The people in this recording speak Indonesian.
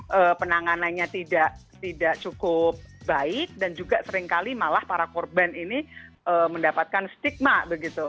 jadi penanganannya tidak cukup baik dan juga seringkali malah para korban ini mendapatkan stigma begitu